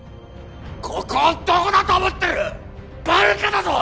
ここをどこだと思ってるバルカだぞ！